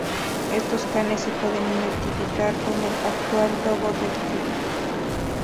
Estos canes se pueden identificar con el actual dogo del Tíbet.